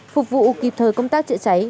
phục vụ kịp thời công tác chạy cháy